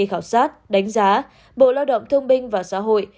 sau khi khảo sát đánh giá bộ lao động thương binh và xã hội